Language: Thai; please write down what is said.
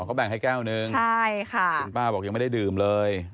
อ๋อก็แบ่งให้แก้วหนึ่งคุณป้าบอกยังไม่ได้ดื่มเลย